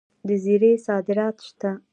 د زیرې صادرات شته.